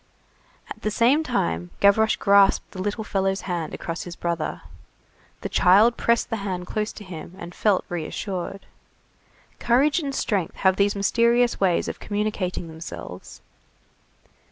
At the same time Gavroche grasped the little fellow's hand across his brother. The child pressed the hand close to him, and felt reassured. Courage and strength have these mysterious ways of communicating themselves.